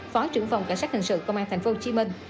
phó trưởng phòng cảnh sát hình sự công an tp hcm